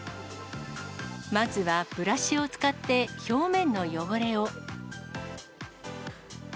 まずはブラシを使って、表面の汚れを。